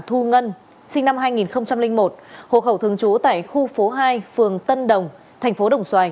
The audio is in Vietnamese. thu ngân sinh năm hai nghìn một hồ khẩu thường trú tại khu phố hai phường tân đồng thành phố đồng xoài